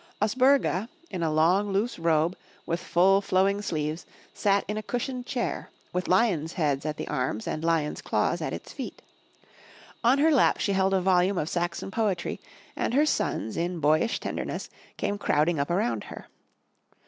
Os bur'ga, in a long, loose robe, with full, flowing sleeves, sat in a cushioned chair, with lions* heads at the arms and lions' claws at its feet. On her lap she held a volume of Saxon poetry, and her sons in boyish tenderness came crowding up around her.